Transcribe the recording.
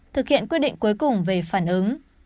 thực hiện quyết định cuối cùng về phản ứng